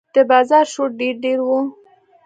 د بازار شور ډېر ډېر و.